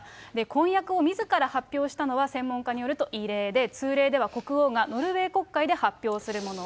婚約をみずから発表したのは専門家によると異例で、通例では国王がノルウェー国会で発表するもの。